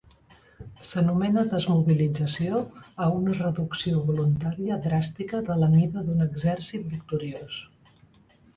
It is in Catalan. S'anomena desmobilització a una reducció voluntària dràstica de la mida d'un exèrcit victoriós.